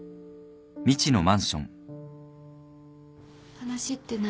話って何？